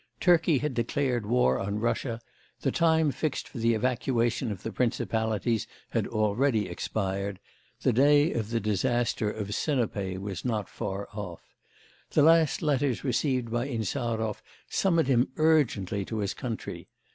Turkey had declared war on Russia; the time fixed for the evacuation of the Principalities had already expired, the day of the disaster of Sinope was not far off. The last letters received by Insarov summoned him urgently to his country.